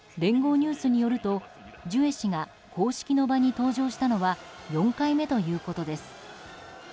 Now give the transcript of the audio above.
ニュースによるとジュエ氏が公式の場に登場したのは４回目ということです。